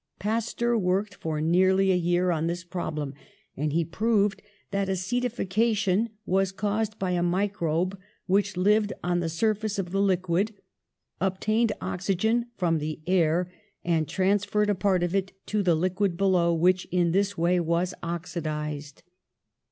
Pasteur worked for nearly a year on this prob lem, and he proved that acetification was caused by a microbe which, living on the surface of the liquid, obtained oxygen from the air and trans ferred a part of it to the liquid below, which in this way was oxidised.